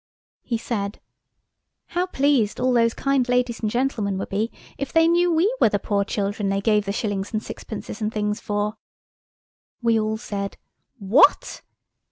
He said: "How pleased all those kind ladies and gentlemen would be if they knew we were the poor children they gave the shillings and sixpences and things for!" We all said, "What?"